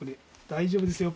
大丈夫ですよ